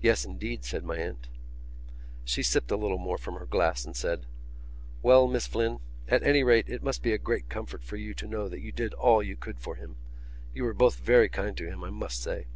"Yes, indeed," said my aunt. She sipped a little more from her glass and said: "Well, Miss Flynn, at any rate it must be a great comfort for you to know that you did all you could for him. You were both very kind to him, I must say."